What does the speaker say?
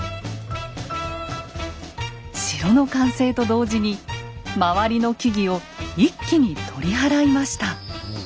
城の完成と同時に周りの木々を一気に取り払いました。